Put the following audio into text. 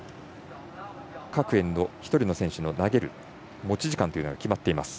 各エンド、１人の選手の投げる持ち時間が決まっています。